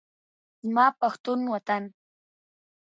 زما پښتون وطن